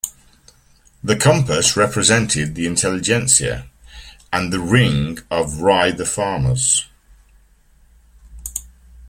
The compass represented the intelligentsia, and the ring of rye the farmers.